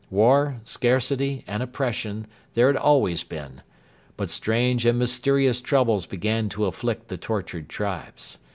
War, scarcity, and oppression there had always been. But strange and mysterious troubles began to afflict the tortured tribes.